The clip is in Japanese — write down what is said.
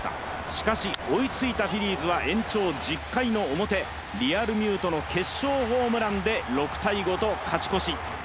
しかし追いついたフィリーズは延長１０回の表リアルミュートの決勝ホームランで６−５と勝ち越し。